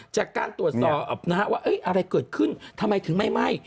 จากการตรวจสอบนะฮะว่าอะไรเกิดขึ้นทำไมถึงไม่ไหม้